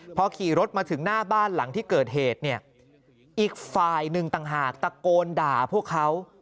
พอขี่รถมาถึงหน้าบ้านหลังที่เกิดเหตุเนี่ยอีกฝ่ายหนึ่งต่างหากตะโกนด่าพวกเขา